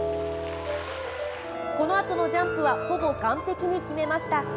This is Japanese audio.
このあとのジャンプはほぼ完璧に決めました。